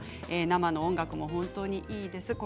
生の音楽は本当にいいです。